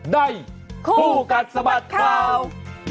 ในคู่กันสมัติข่าว